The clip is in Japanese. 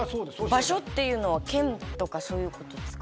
場所っていうのは県とかそういうことですか？